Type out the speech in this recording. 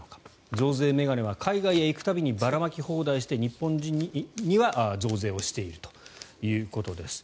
増税メガネは海外へ行く度にばらまき放題して日本人には増税をしているということです。